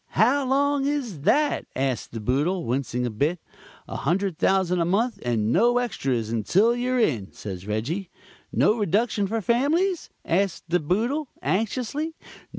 'How long is that?' asks De Boodle, wincing a bit. 'A hundred thousand a month, and no extras, until you're in,' says Reggie. 'No reduction for families?' asks De Boodle, anxiously.